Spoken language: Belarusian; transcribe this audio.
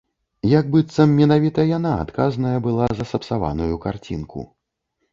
Як быццам менавіта яна адказная была за сапсаваную карцінку.